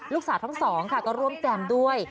ลูกสาวทั้งสองค่ะก็ร่วมแจมด้วย